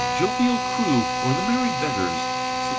—Joviall Crew; or, The Merry Beggars, 1652.